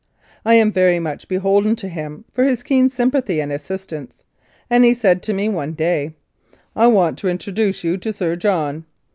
I am very much beholden to him for his keen sympathy and assistance, and he said to me one day, "I want to introduce you to Sir John."